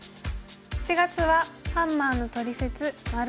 ７月は「ハンマーのトリセツ④」。